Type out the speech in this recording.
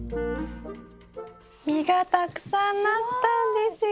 実がたくさんなったんですよ。